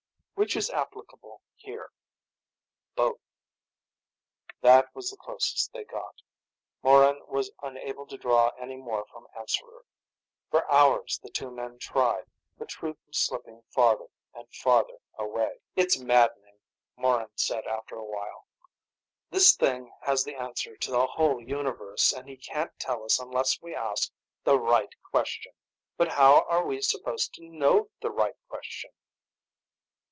"Which is applicable here?" "Both." That was the closest they got. Morran was unable to draw any more from Answerer. For hours the two men tried, but truth was slipping farther and farther away. "It's maddening," Morran said, after a while. "This thing has the answer to the whole universe, and he can't tell us unless we ask the right question. But how are we supposed to know the right question?"